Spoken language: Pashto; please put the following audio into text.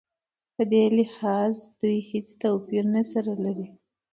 په دې لحاظ دوی هېڅ توپیر سره نه لري.